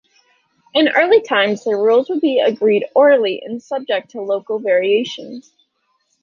In early times, the rules would be agreed orally and subject to local variations.